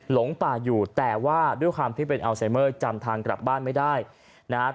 หลงป่าอยู่แต่ว่าด้วยความที่เป็นอัลไซเมอร์จำทางกลับบ้านไม่ได้นะครับ